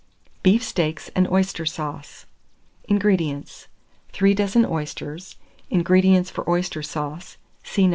BEEF STEAKS AND OYSTER SAUCE. 603. INGREDIENTS. 3 dozen oysters, ingredients for oyster sauce (see No.